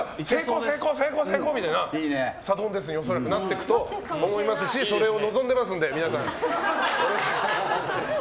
成功、成功みたいなサドンデスに恐らくなっていくと思いますしそれを望んでますので、皆さん。